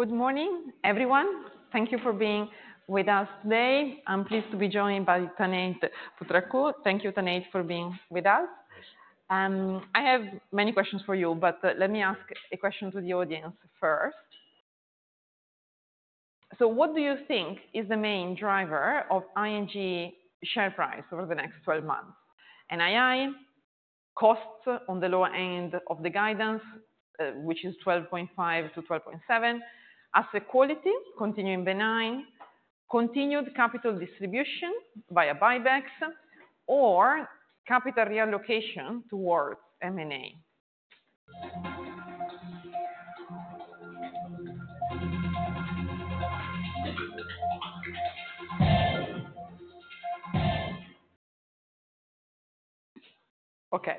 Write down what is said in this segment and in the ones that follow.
Good morning, everyone. Thank you for being with us today. I'm pleased to be joined by Tanate Phutrakul. Thank you, Tanate, for being with us. I have many questions for you, but let me ask a question to the audience first. What do you think is the main driver of ING share price over the next 12 months? NII, costs on the lower end of the guidance, which is 12.5-12.7, asset quality, continuing benign, continued capital distribution via buybacks, or capital reallocation towards M&A? Okay,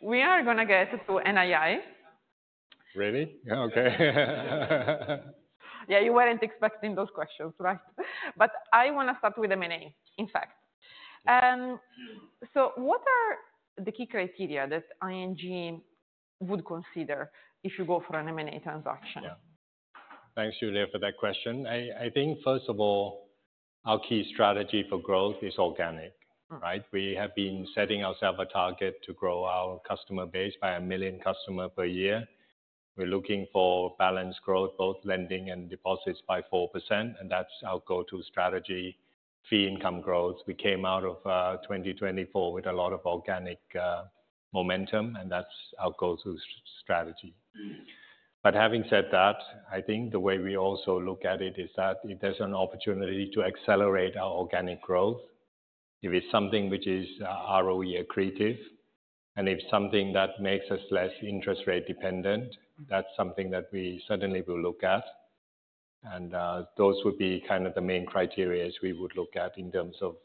we are going to get to NII. Ready? Okay. Yeah, you weren't expecting those questions, right? I want to start with M&A, in fact. What are the key criteria that ING would consider if you go for an M&A transaction? Thanks, Giulia, for that question. I think, first of all, our key strategy for growth is organic, right? We have been setting ourselves a target to grow our customer base by a million customers per year. We're looking for balanced growth, both lending and deposits, by 4%, and that's our go-to strategy. Fee income growth. We came out of 2024 with a lot of organic momentum, and that's our go-to strategy. Having said that, I think the way we also look at it is that if there's an opportunity to accelerate our organic growth, if it's something which is ROE accretive, and if it's something that makes us less interest rate dependent, that's something that we certainly will look at. Those would be kind of the main criteria we would look at in terms of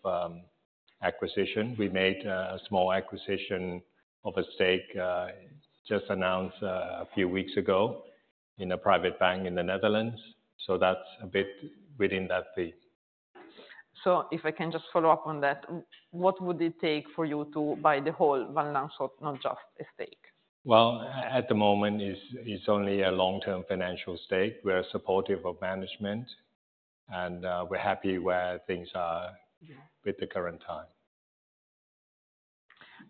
acquisition. We made a small acquisition of a stake just announced a few weeks ago in a private bank in the Netherlands. That is a bit within that fee. If I can just follow up on that, what would it take for you to buy the whole Van Lanschot Kempen estate? At the moment, it's only a long-term financial stake. We're supportive of management, and we're happy where things are with the current time.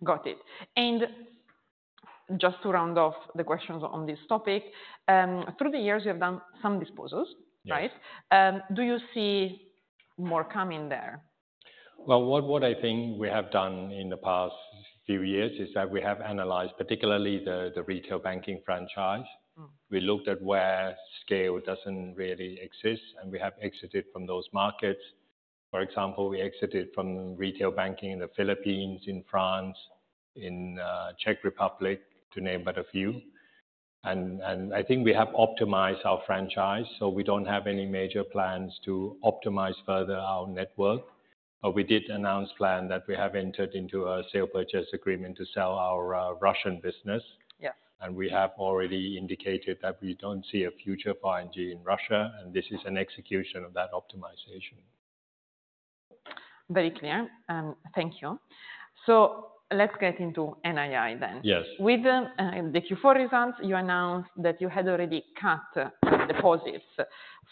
Got it. Just to round off the questions on this topic, through the years, you have done some disposals, right? Do you see more coming there? What I think we have done in the past few years is that we have analyzed particularly the retail banking franchise. We looked at where scale does not really exist, and we have exited from those markets. For example, we exited from retail banking in the Philippines, in France, in the Czech Republic, to name but a few. I think we have optimized our franchise, so we do not have any major plans to optimize further our net worth. We did announce a plan that we have entered into a sale-purchase agreement to sell our Russian business. We have already indicated that we do not see a future for ING in Russia, and this is an execution of that optimization. Very clear. Thank you. Let's get into NII then. Yes. With the Q4 results, you announced that you had already cut deposits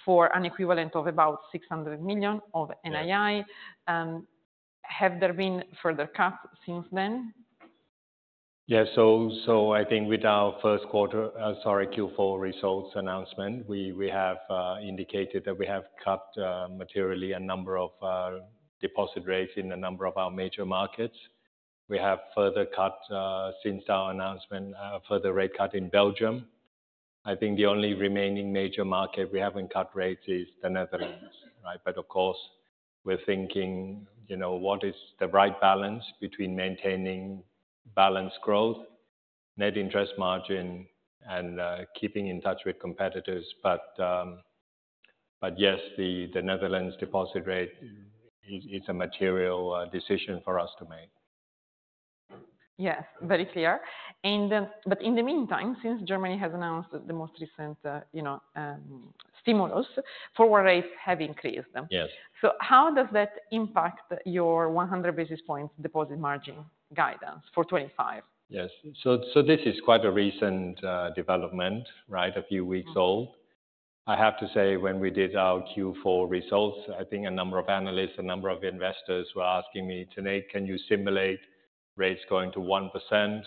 for an equivalent of about 600 million of NII. Have there been further cuts since then? Yeah, so I think with our first quarter, sorry, Q4 results announcement, we have indicated that we have cut materially a number of deposit rates in a number of our major markets. We have further cut since our announcement, a further rate cut in Belgium. I think the only remaining major market we haven't cut rates is the Netherlands, right? Of course, we're thinking, you know, what is the right balance between maintaining balanced growth, net interest margin, and keeping in touch with competitors. Yes, the Netherlands deposit rate is a material decision for us to make. Yes, very clear. In the meantime, since Germany has announced the most recent stimulus, forward rates have increased. Yes. How does that impact your 100 basis points deposit margin guidance for 2025? Yes. This is quite a recent development, right, a few weeks old. I have to say, when we did our Q4 results, I think a number of analysts, a number of investors were asking me, "Tanate, can you simulate rates going to 1%?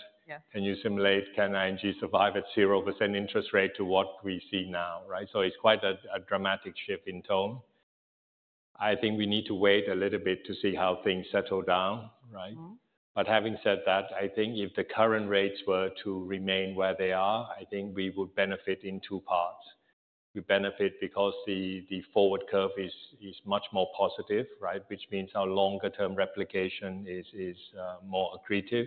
Can you simulate can ING survive at 0% interest rate to what we see now?" Right? It is quite a dramatic shift in tone. I think we need to wait a little bit to see how things settle down, right? Having said that, I think if the current rates were to remain where they are, I think we would benefit in two parts. We benefit because the forward curve is much more positive, right, which means our longer-term replication is more accretive.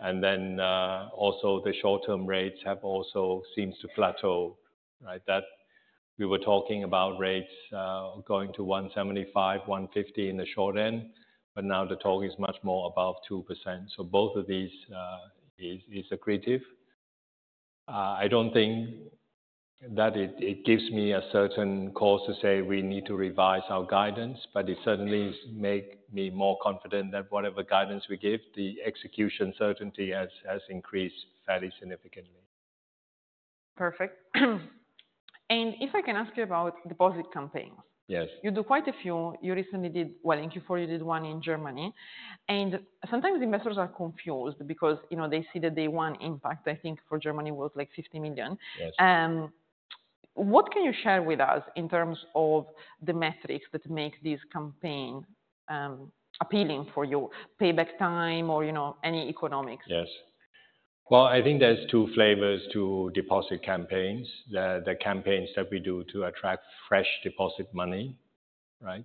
Also, the short-term rates have also seemed to plateau, right? We were talking about rates going to 175, 150 in the short end, but now the talk is much more above 2%. Both of these are accretive. I do not think that it gives me a certain cause to say we need to revise our guidance, but it certainly makes me more confident that whatever guidance we give, the execution certainty has increased fairly significantly. Perfect. If I can ask you about deposit campaigns. Yes. You do quite a few. You recently did, well, in Q4, you did one in Germany. Sometimes investors are confused because, you know, they see the day-one impact. I think for Germany was like 50 million. Yes. What can you share with us in terms of the metrics that make this campaign appealing for you, payback time or, you know, any economics? Yes. I think there's two flavors to deposit campaigns. The campaigns that we do to attract fresh deposit money, right?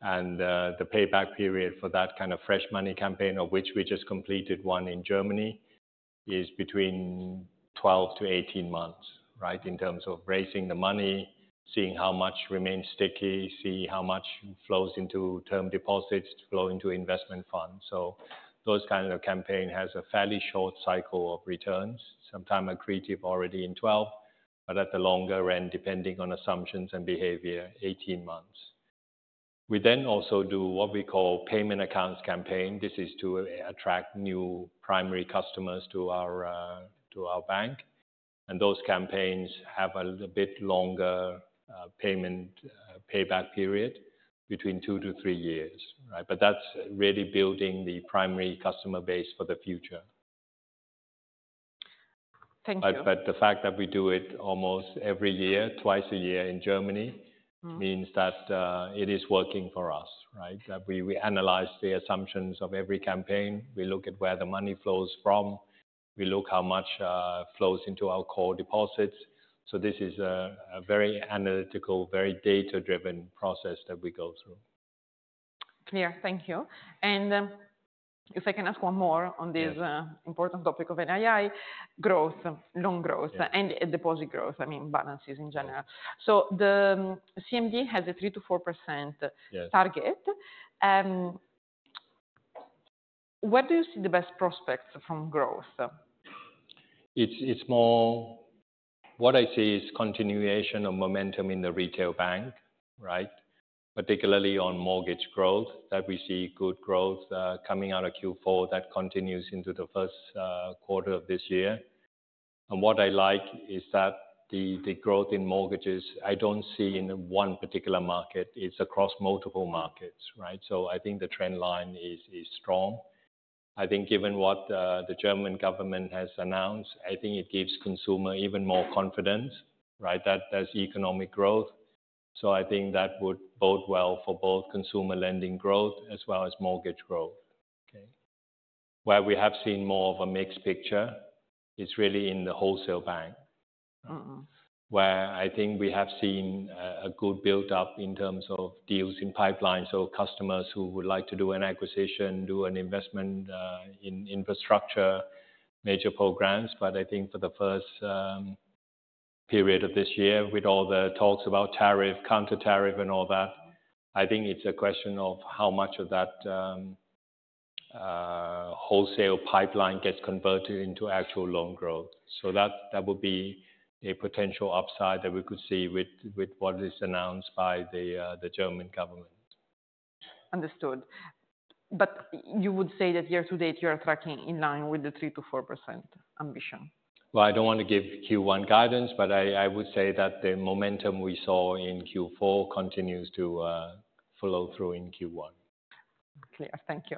The payback period for that kind of fresh money campaign, of which we just completed one in Germany, is between 12-18 months, right, in terms of raising the money, seeing how much remains sticky, seeing how much flows into term deposits, flow into investment funds. Those kinds of campaigns have a fairly short cycle of returns, sometimes accretive already in 12, but at the longer end, depending on assumptions and behavior, 18 months. We then also do what we call payment accounts campaign. This is to attract new primary customers to our bank. Those campaigns have a bit longer payback period, between two to three years, right? That's really building the primary customer base for the future. Thank you. The fact that we do it almost every year, twice a year in Germany, means that it is working for us, right? That we analyze the assumptions of every campaign. We look at where the money flows from. We look at how much flows into our core deposits. This is a very analytical, very data-driven process that we go through. Clear. Thank you. If I can ask one more on this important topic of NII growth, loan growth, and deposit growth, I mean, balances in general. The CMD has a 3-4% target. Where do you see the best prospects from growth? It's more what I see is continuation of momentum in the retail bank, right? Particularly on mortgage growth, that we see good growth coming out of Q4 that continues into the first quarter of this year. And what I like is that the growth in mortgages I don't see in one particular market. It's across multiple markets, right? I think the trend line is strong. I think given what the German government has announced, I think it gives consumers even more confidence, right, that there's economic growth. I think that would bode well for both consumer lending growth as well as mortgage growth. Okay? Where we have seen more of a mixed picture is really in the wholesale bank, where I think we have seen a good build-up in terms of deals in pipeline. Customers who would like to do an acquisition, do an investment in infrastructure, major programs. I think for the first period of this year, with all the talks about tariff, counter-tariff, and all that, I think it's a question of how much of that wholesale pipeline gets converted into actual loan growth. That would be a potential upside that we could see with what is announced by the German government. Understood. You would say that year to date, you're tracking in line with the 3-4% ambition? I don't want to give Q1 guidance, but I would say that the momentum we saw in Q4 continues to flow through in Q1. Clear. Thank you.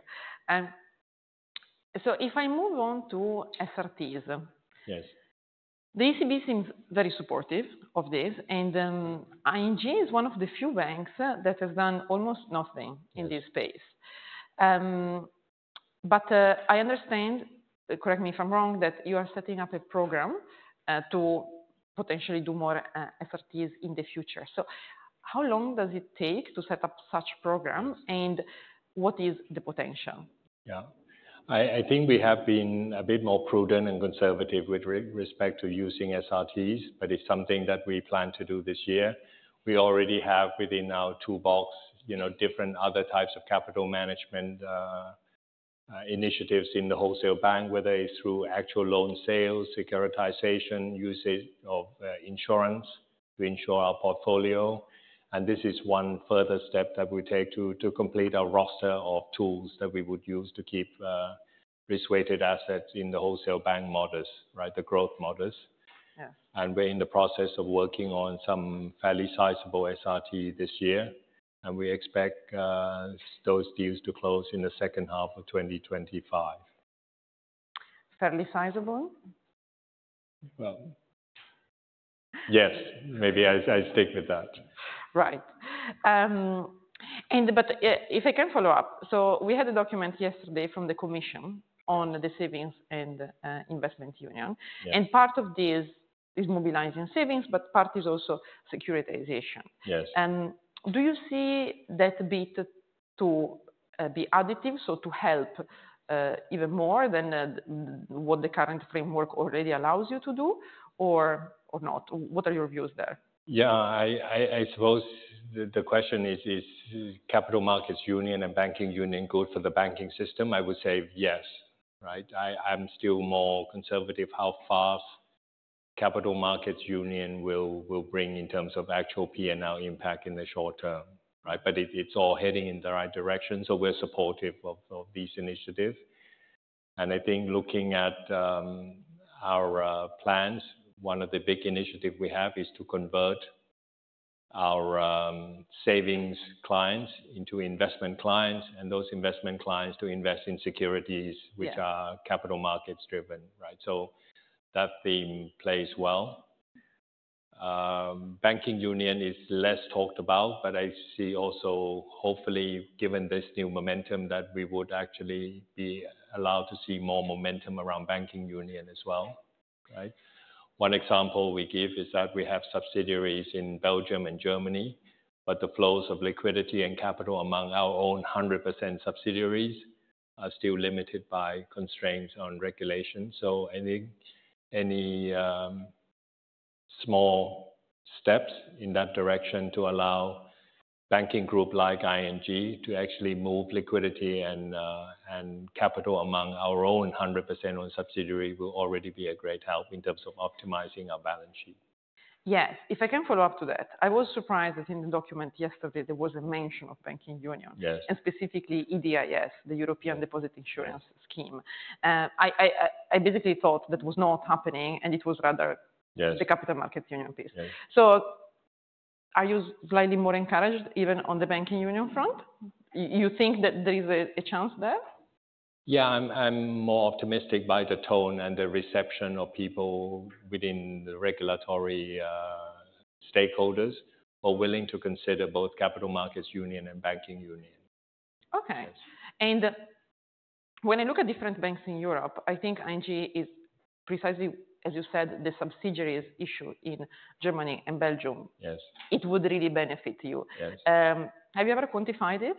If I move on to SRTs. Yes. The ECB seems very supportive of this. ING is one of the few banks that has done almost nothing in this space. I understand, correct me if I'm wrong, that you are setting up a program to potentially do more SRTs in the future. How long does it take to set up such a program, and what is the potential? Yeah. I think we have been a bit more prudent and conservative with respect to using SRTs, but it's something that we plan to do this year. We already have within our toolbox different other types of capital management initiatives in the wholesale bank, whether it's through actual loan sales, securitization, usage of insurance to ensure our portfolio. This is one further step that we take to complete our roster of tools that we would use to keep risk-weighted assets in the wholesale bank modus, right, the growth modus. We are in the process of working on some fairly sizable SRT this year, and we expect those deals to close in the second half of 2025. Fairly sizable? Yes, maybe I stick with that. Right. If I can follow up, we had a document yesterday from the Commission on the Savings and Investment Union. Part of this is mobilizing savings, but part is also securitization. Yes. Do you see that bit to be additive, so to help even more than what the current framework already allows you to do, or not? What are your views there? Yeah, I suppose the question is, is Capital Markets Union and Banking Union good for the banking system? I would say yes, right? I'm still more conservative how fast Capital Markets Union will bring in terms of actual P&L impact in the short term, right? It is all heading in the right direction, so we're supportive of these initiatives. I think looking at our plans, one of the big initiatives we have is to convert our savings clients into investment clients, and those investment clients to invest in securities, which are capital markets-driven, right? That theme plays well. Banking Union is less talked about, but I see also, hopefully, given this new momentum, that we would actually be allowed to see more momentum around Banking Union as well, right? One example we give is that we have subsidiaries in Belgium and Germany, but the flows of liquidity and capital among our own 100% subsidiaries are still limited by constraints on regulation. Any small steps in that direction to allow a banking group like ING to actually move liquidity and capital among our own 100% owned subsidiaries will already be a great help in terms of optimizing our balance sheet. Yes. If I can follow up to that, I was surprised that in the document yesterday, there was a mention of Banking Union, and specifically EDIS, the European Deposit Insurance Scheme. I basically thought that was not happening, and it was rather the Capital Markets Union piece. Are you slightly more encouraged even on the Banking Union front? You think that there is a chance there? Yeah, I'm more optimistic by the tone and the reception of people within the regulatory stakeholders who are willing to consider both Capital Markets Union and Banking Union. Okay. When I look at different banks in Europe, I think ING is precisely, as you said, the subsidiaries issue in Germany and Belgium. Yes. It would really benefit you. Yes. Have you ever quantified it?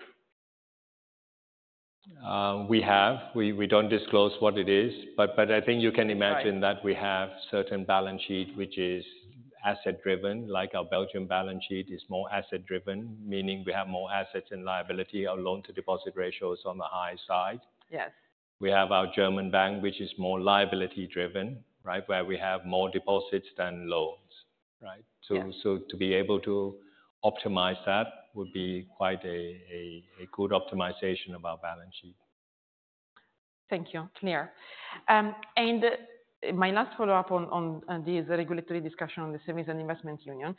We have. We don't disclose what it is, but I think you can imagine that we have a certain balance sheet which is asset-driven, like our Belgian balance sheet is more asset-driven, meaning we have more assets and liability. Our loan-to-deposit ratio is on the high side. Yes. We have our German bank, which is more liability-driven, right, where we have more deposits than loans, right? To be able to optimize that would be quite a good optimization of our balance sheet. Thank you. Clear. My last follow-up on this regulatory discussion on the Savings and Investment Union,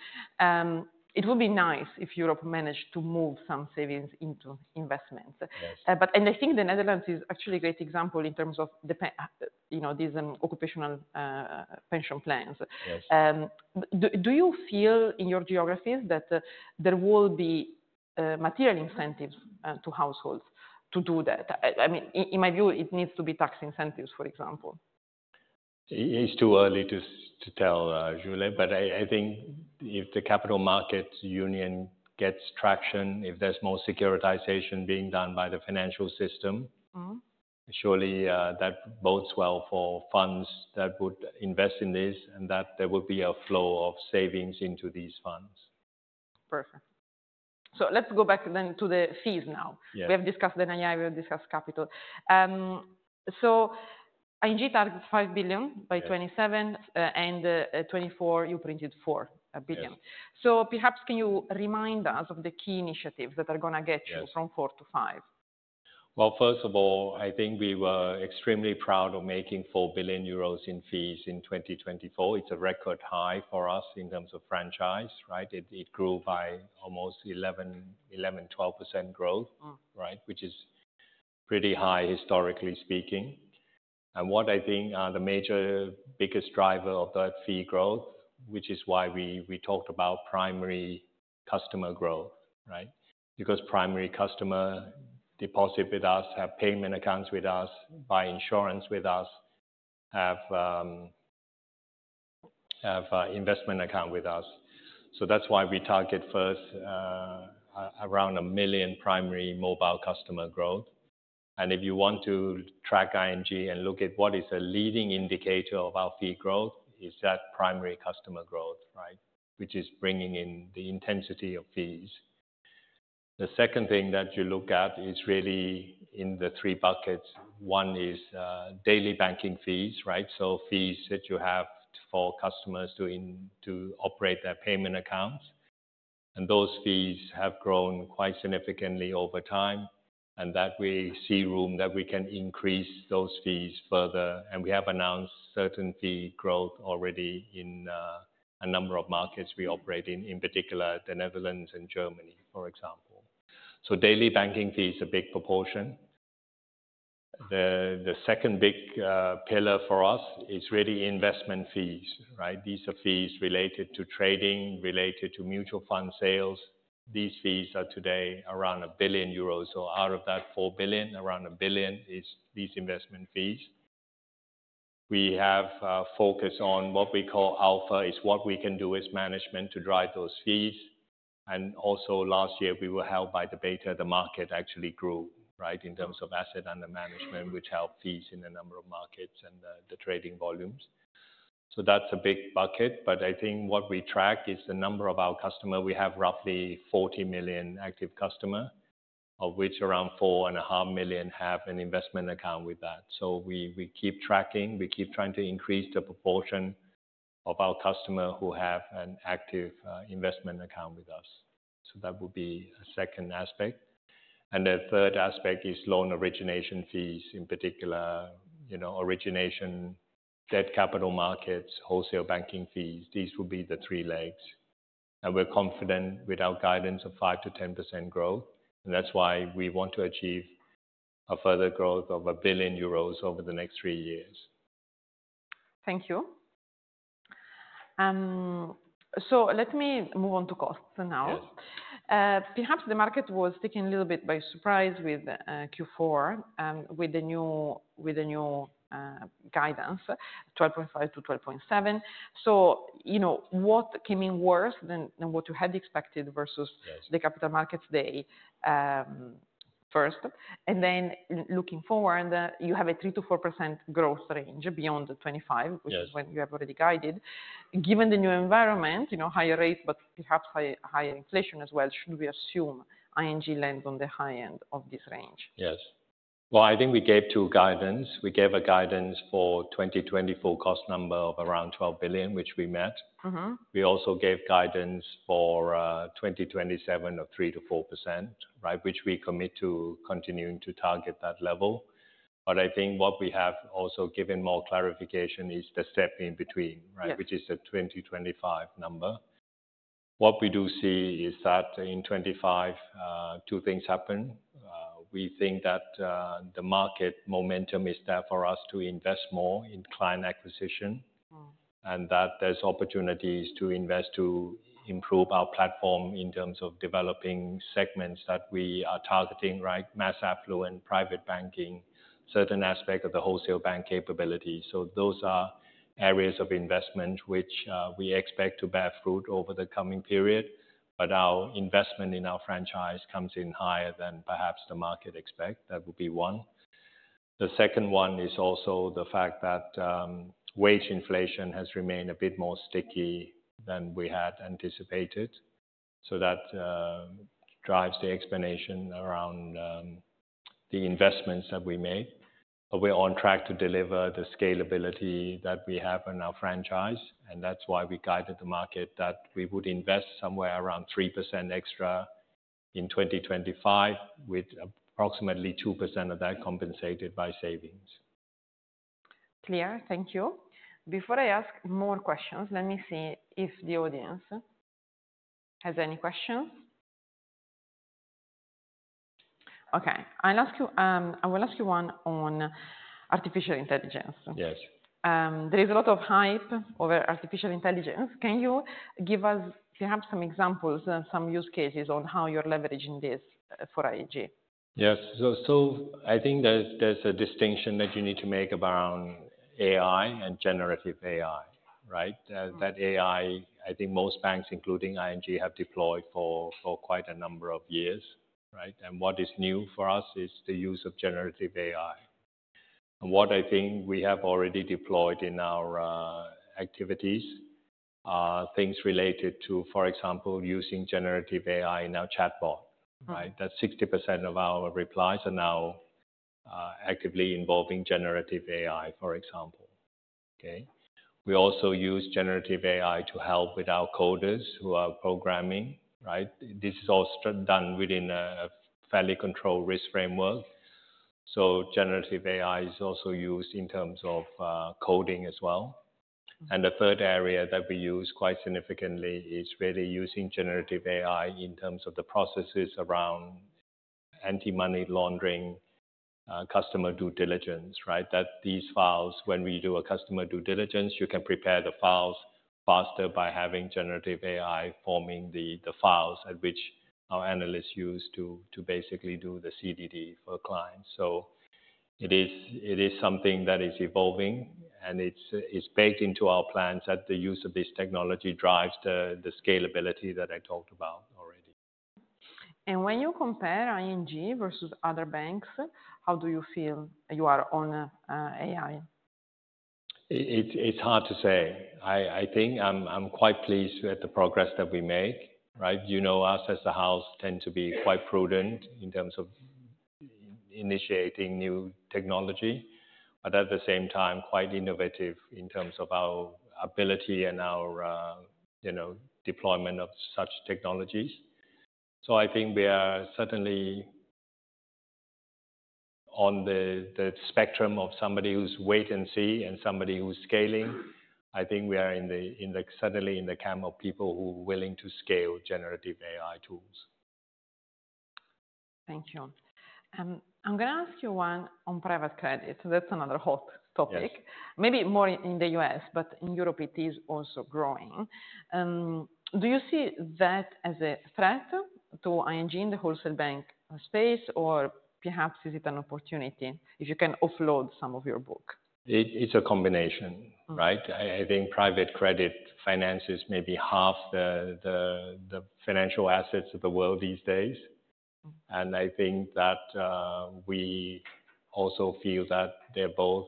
it would be nice if Europe managed to move some savings into investments. Yes. I think the Netherlands is actually a great example in terms of these occupational pension plans. Yes. Do you feel in your geographies that there will be material incentives to households to do that? I mean, in my view, it needs to be tax incentives, for example. It's too early to tell, Giulia, but I think if the Capital Markets Union gets traction, if there's more securitization being done by the financial system, surely that bodes well for funds that would invest in this and that there would be a flow of savings into these funds. Perfect. Let's go back then to the fees now. Yes. We have discussed NII, we have discussed capital. ING targets 5 billion by 2027, and in 2024, you printed 4 billion. Perhaps can you remind us of the key initiatives that are going to get you from 4 to 5? First of all, I think we were extremely proud of making 4 billion euros in fees in 2024. It is a record high for us in terms of franchise, right? It grew by almost 11-12% growth, right, which is pretty high historically speaking. What I think are the major biggest driver of that fee growth, which is why we talked about primary customer growth, right? Because primary customer deposit with us, have payment accounts with us, buy insurance with us, have investment accounts with us. That is why we target first around a million primary mobile customer growth. If you want to track ING and look at what is a leading indicator of our fee growth, it is that primary customer growth, right, which is bringing in the intensity of fees. The second thing that you look at is really in the three buckets. One is daily banking fees, right? Fees that you have for customers to operate their payment accounts. Those fees have grown quite significantly over time, and we see room that we can increase those fees further. We have announced certain fee growth already in a number of markets we operate in, in particular, the Netherlands and Germany, for example. Daily banking fees are a big proportion. The second big pillar for us is really investment fees, right? These are fees related to trading, related to mutual fund sales. These fees are today around 1 billion euros. Out of that 4 billion, around 1 billion is these investment fees. We have a focus on what we call alpha, is what we can do as management to drive those fees. Last year, we were held by the beta, the market actually grew, right, in terms of asset under management, which helped fees in a number of markets and the trading volumes. That is a big bucket. I think what we track is the number of our customers. We have roughly 40 million active customers, of which around 4.5 million have an investment account with us. We keep tracking. We keep trying to increase the proportion of our customers who have an active investment account with us. That would be a second aspect. The third aspect is loan origination fees, in particular, origination debt capital markets, wholesale banking fees. These would be the three legs. We are confident with our guidance of 5-10% growth. That is why we want to achieve a further growth of 1 billion euros over the next three years. Thank you. Let me move on to costs now. Yes. Perhaps the market was taken a little bit by surprise with Q4, with the new guidance, 12.5-12.7. What came in worse than what you had expected versus the capital markets day first? Looking forward, you have a 3-4% growth range beyond 2025, which is when you have already guided. Given the new environment, higher rates, but perhaps higher inflation as well, should we assume ING lands on the high end of this range? Yes. I think we gave two guidance. We gave a guidance for 2024 cost number of around 12 billion, which we met. We also gave guidance for 2027 of 3-4%, right, which we commit to continuing to target that level. I think what we have also given more clarification is the step in between, right, which is the 2025 number. What we do see is that in 2025, two things happen. We think that the market momentum is there for us to invest more in client acquisition and that there are opportunities to invest to improve our platform in terms of developing segments that we are targeting, right? Mass affluent, private banking, certain aspects of the wholesale bank capability. Those are areas of investment which we expect to bear fruit over the coming period. Our investment in our franchise comes in higher than perhaps the market expects. That would be one. The second one is also the fact that wage inflation has remained a bit more sticky than we had anticipated. That drives the explanation around the investments that we made. We are on track to deliver the scalability that we have in our franchise. That is why we guided the market that we would invest somewhere around 3% extra in 2025, with approximately 2% of that compensated by savings. Clear. Thank you. Before I ask more questions, let me see if the audience has any questions. Okay. I'll ask you, I will ask you one on artificial intelligence. Yes. There is a lot of hype over artificial intelligence. Can you give us perhaps some examples and some use cases on how you're leveraging this for ING? Yes. I think there's a distinction that you need to make around AI and generative AI, right? That AI, I think most banks, including ING, have deployed for quite a number of years, right? What is new for us is the use of generative AI. What I think we have already deployed in our activities are things related to, for example, using generative AI in our chatbot, right? That 60% of our replies are now actively involving generative AI, for example, okay? We also use generative AI to help with our coders who are programming, right? This is all done within a fairly controlled risk framework. Generative AI is also used in terms of coding as well. The third area that we use quite significantly is really using generative AI in terms of the processes around anti-money laundering, customer due diligence, right? That these files, when we do a customer due diligence, you can prepare the files faster by having generative AI forming the files at which our analysts use to basically do the CDD for clients. It is something that is evolving, and it's baked into our plans that the use of this technology drives the scalability that I talked about already. When you compare ING versus other banks, how do you feel you are on AI? It's hard to say. I think I'm quite pleased with the progress that we make, right? You know us as a house tend to be quite prudent in terms of initiating new technology, but at the same time, quite innovative in terms of our ability and our deployment of such technologies. I think we are certainly on the spectrum of somebody who's wait and see and somebody who's scaling. I think we are certainly in the camp of people who are willing to scale generative AI tools. Thank you. I'm going to ask you one on private credit. That's another hot topic, maybe more in the US, but in Europe, it is also growing. Do you see that as a threat to ING in the wholesale bank space, or perhaps is it an opportunity if you can offload some of your book? It's a combination, right? I think private credit finances maybe half the financial assets of the world these days. I think that we also feel that they're both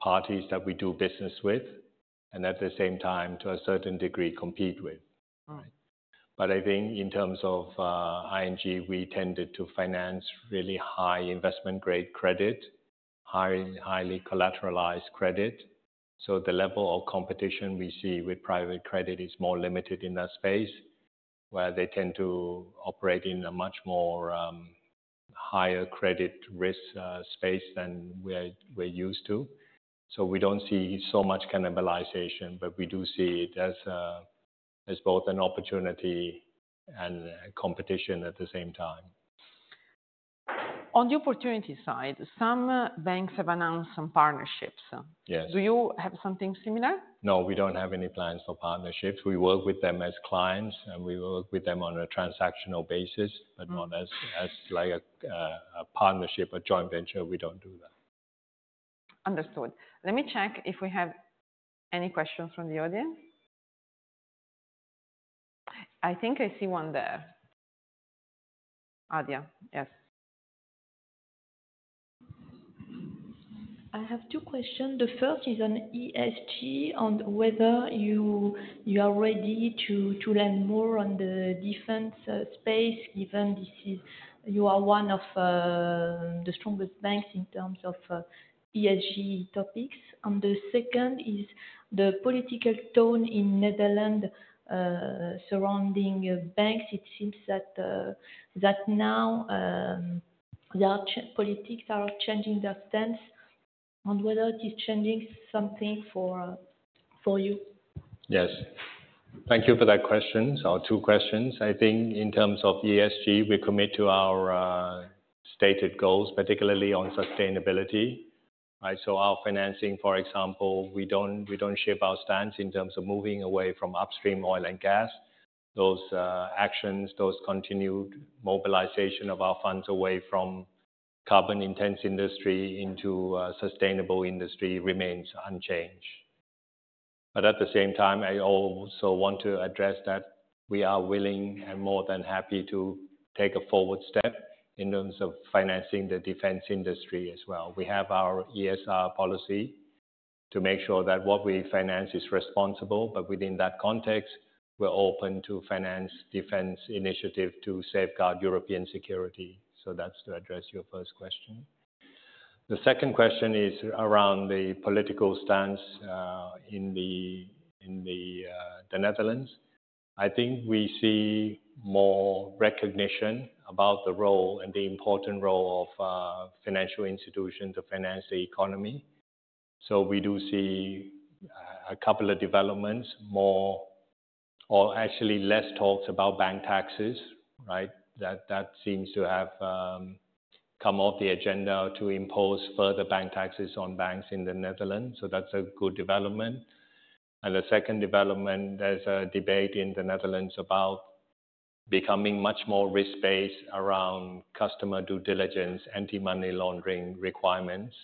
parties that we do business with and at the same time, to a certain degree, compete with, right? I think in terms of ING, we tended to finance really high investment-grade credit, highly collateralized credit. The level of competition we see with private credit is more limited in that space, where they tend to operate in a much more higher credit risk space than we're used to. We don't see so much cannibalization, but we do see it as both an opportunity and competition at the same time. On the opportunity side, some banks have announced some partnerships. Yes. Do you have something similar? No, we don't have any plans for partnerships. We work with them as clients, and we work with them on a transactional basis, but not as like a partnership, a joint venture. We don't do that. Understood. Let me check if we have any questions from the audience. I think I see one there. Adia, yes. I have two questions. The first is an ESG on whether you are ready to learn more on the defense space, given this is you are one of the strongest banks in terms of ESG topics. The second is the political tone in the Netherlands surrounding banks. It seems that now their politics are changing their stance. Whether it is changing something for you? Yes. Thank you for that question. Two questions. I think in terms of ESG, we commit to our stated goals, particularly on sustainability, right? Our financing, for example, we do not shift our stance in terms of moving away from upstream oil and gas. Those actions, those continued mobilization of our funds away from carbon-intense industry into sustainable industry remains unchanged. At the same time, I also want to address that we are willing and more than happy to take a forward step in terms of financing the defense industry as well. We have our ESR policy to make sure that what we finance is responsible, but within that context, we are open to finance defense initiatives to safeguard European security. That is to address your first question. The second question is around the political stance in the Netherlands. I think we see more recognition about the role and the important role of financial institutions to finance the economy. We do see a couple of developments, more or actually less talks about bank taxes, right? That seems to have come off the agenda to impose further bank taxes on banks in the Netherlands. That is a good development. The second development, there is a debate in the Netherlands about becoming much more risk-based around customer due diligence, anti-money laundering requirements.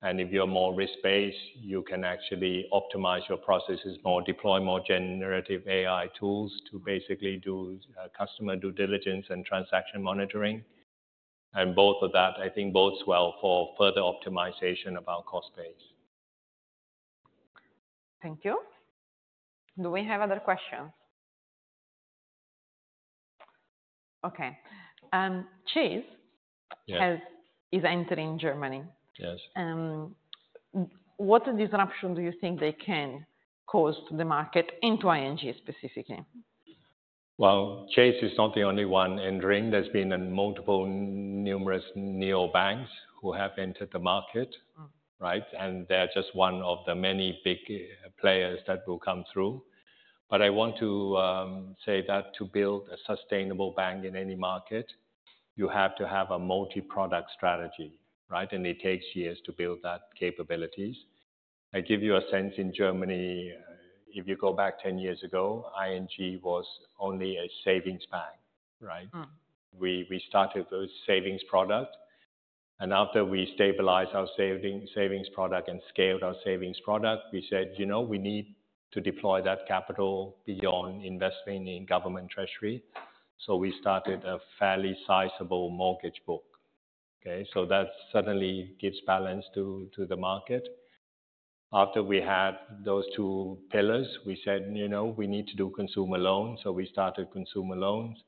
If you are more risk-based, you can actually optimize your processes more, deploy more generative AI tools to basically do customer due diligence and transaction monitoring. Both of that, I think, bodes well for further optimization of our cost base. Thank you. Do we have other questions? Okay. Chase is entering Germany. Yes. What disruption do you think they can cause to the market and to ING specifically? Chase is not the only one entering. There's been numerous neobanks who have entered the market, right? They're just one of the many big players that will come through. I want to say that to build a sustainable bank in any market, you have to have a multi-product strategy, right? It takes years to build that capabilities. I give you a sense in Germany, if you go back 10 years ago, ING was only a savings bank, right? We started with savings product. After we stabilized our savings product and scaled our savings product, we said, you know, we need to deploy that capital beyond investing in government treasury. We started a fairly sizable mortgage book, okay? That certainly gives balance to the market. After we had those two pillars, we said, you know, we need to do consumer loans. We started consumer loans.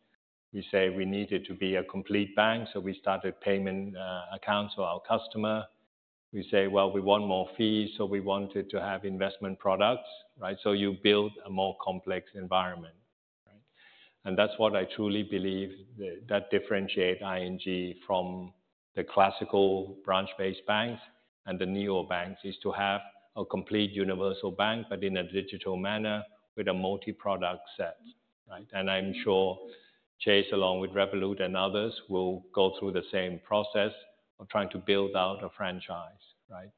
We say we needed to be a complete bank. We started payment accounts for our customer. We say, we want more fees. We wanted to have investment products, right? You build a more complex environment, right? That is what I truly believe differentiates ING from the classical branch-based banks and the neobanks, to have a complete universal bank, but in a digital manner with a multi-product set, right? I am sure Chase, along with Revolut and others, will go through the same process of trying to build out a franchise, right?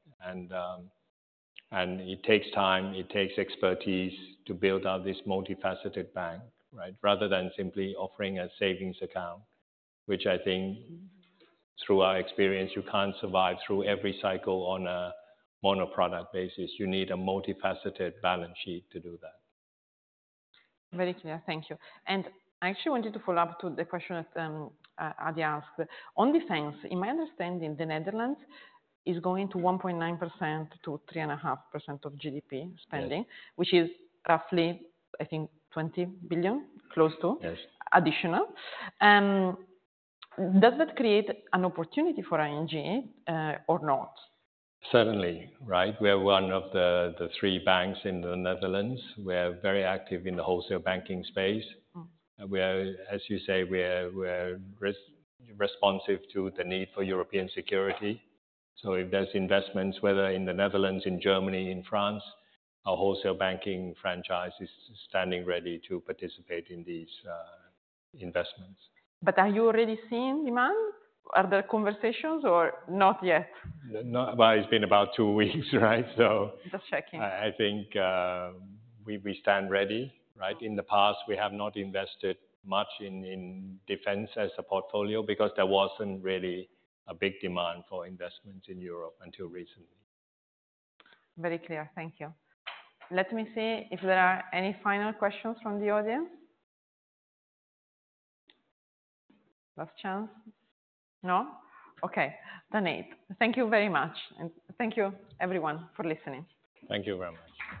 It takes time. It takes expertise to build out this multifaceted bank, right? Rather than simply offering a savings account, which I think through our experience, you cannot survive through every cycle on a monoproduct basis. You need a multifaceted balance sheet to do that. Very clear. Thank you. I actually wanted to follow up to the question that Adia asked. On defense, in my understanding, the Netherlands is going to 1.9% to 3.5% of GDP spending, which is roughly, I think, 20 billion, close to additional. Does that create an opportunity for ING or not? Certainly, right? We are one of the three banks in the Netherlands. We're very active in the wholesale banking space. We are, as you say, we're responsive to the need for European security. If there's investments, whether in the Netherlands, in Germany, in France, our wholesale banking franchise is standing ready to participate in these investments. Are you already seeing demand? Are there conversations or not yet? It's been about two weeks, right? Just checking. I think we stand ready, right? In the past, we have not invested much in defense as a portfolio because there was not really a big demand for investments in Europe until recently. Very clear. Thank you. Let me see if there are any final questions from the audience. Last chance. No? Okay. Thank you very much. Thank you, everyone, for listening. Thank you very much.